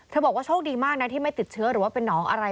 บอกว่าโชคดีมากนะที่ไม่ติดเชื้อหรือว่าเป็นน้องอะไร